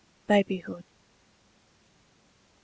BABYHOOD. I.